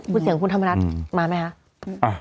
คุณเสียงคุณธรรมนัฐมาไหมคะ